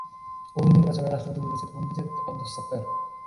ওই নির্বাচনে রাষ্ট্রপতি নির্বাচিত হন বিচারপতি আবদুস সাত্তার।